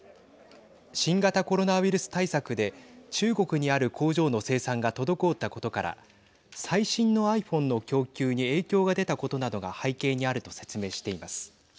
新型コロナウイルス対策で中国にある工場の生産が滞ったことから最新のｉＰｈｏｎｅの供給に影響が出たことなどが背景にあると説明しています。